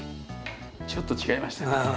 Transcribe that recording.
ちょっと違いましたね。